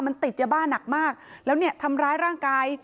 มันติดยาบ้าหนักมากแล้วเนี่ยทำร้ายร่างกาย